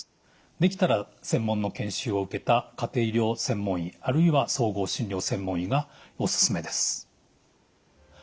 できたら専門の研修を受けた家庭医療専門医あるいは総合診療専門医がおすすめです。